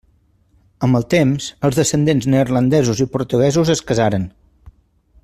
Amb el temps, els descendents neerlandesos i portuguesos es casaren.